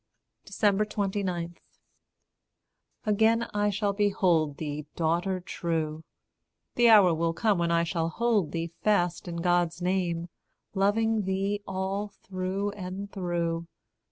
29. Again I shall behold thee, daughter true; The hour will come when I shall hold thee fast In God's name, loving thee all through and through.